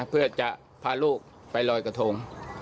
เพื่อจะพาลูกไปลอยกระทง